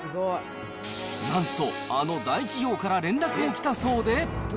なんと、あの大企業から連絡もきたそうで。